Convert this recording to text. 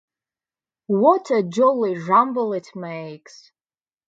What a jolly rumble it makes!